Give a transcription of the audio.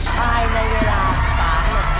ปลายในเวลา๓หรือ๔